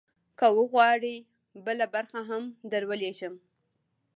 که وغواړې، بله برخه هم درولیږم.